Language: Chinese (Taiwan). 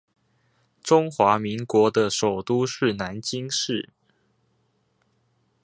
中華民國的首都是南京市